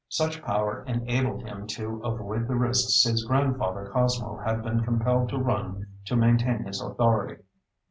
Such power enabled him to avoid the risks his grandfather Cosmo had been compelled to run to maintain his authority.